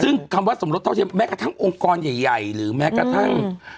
ซึ่งคำว่าสมรสเท่าเทียมแม้กระทั่งองค์กรใหญ่หรือแม้กระทั่ง